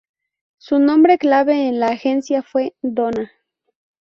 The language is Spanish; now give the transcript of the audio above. Su nombre clave en la agencia fue "Donna".